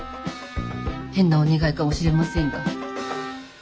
変なお願いかもしれませんが。